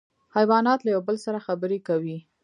حیوانات له یو بل سره خبرې کوي